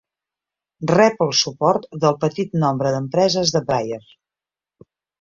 Rep el suport del petit nombre d'empreses de Brier.